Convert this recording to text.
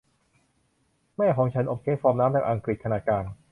แม่ของฉันอบเค้กฟองน้ำแบบอังกฤษขนาดกลาง